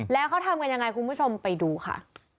แล้วเขาทำกันยังไงคุณผู้ชมไปดูค่ะ